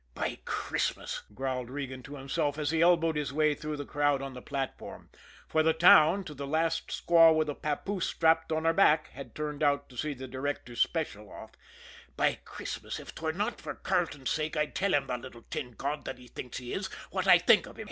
"By Christmas," growled Regan to himself, as he elbowed his way through the crowd on the platform for the town, to the last squaw with a papoose strapped on her back, had turned out to see the Directors' Special off "by Christmas, if 'twere not for Carleton's sake, I'd tell him, the little tin god that he thinks he is, what I think of him!